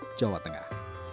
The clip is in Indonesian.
di jawa tengah